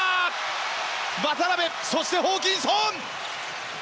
渡邊、そして、ホーキンソン！